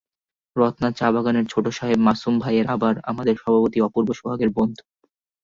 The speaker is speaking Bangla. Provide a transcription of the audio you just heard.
রত্না চা-বাগানের ছোট সাহেব মাসুম ভাই আবার আমাদের সভাপতি অপূর্ব সোহাগের বন্ধু।